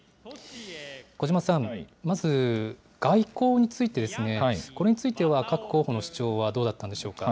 小嶋さん、まず外交についてですね、これについては、各候補の主張はどうだったんでしょうか。